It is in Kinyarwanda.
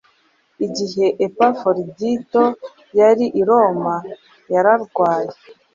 Igihe Epafuradito yari i Roma, yararwaye, ”